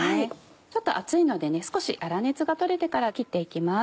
ちょっと熱いので少し粗熱が取れてから切って行きます。